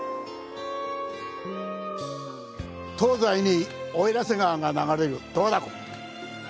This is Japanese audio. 東西に奥入瀬川が流れる十和田市。